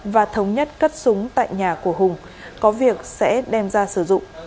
và thống nhất cất súng tại nhà của hùng có việc sẽ đem ra sử dụng